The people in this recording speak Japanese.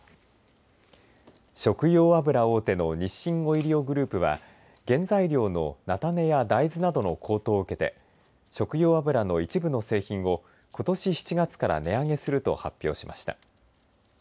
食用油大手の日清オイリオグループは原材料の菜種や大豆などの高騰を受けて食用油の一部の製品をことし７月から値上げすると発表しました。